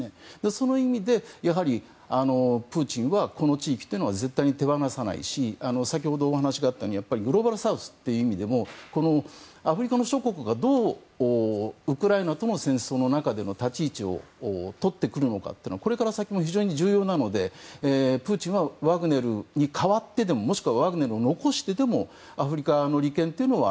その意味でプーチンはこの地域というのは絶対に手放さないし先ほどお話があったようにグローバルサウスという意味でもこのアフリカの諸国がどうウクライナとの戦争の中での立ち位置をとってくるのかというのはこれから先も非常に重要なのでプーチンはワグネルに代わってでももしくはワグネルを残してでもアフリカの利権というのは